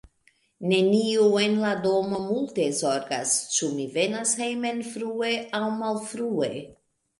Neniu en la domo multe zorgas, ĉu mi venas hejmen frue aŭ malfrue.